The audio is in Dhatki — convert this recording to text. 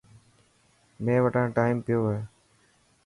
مين وٽان ٽائم پيو هي.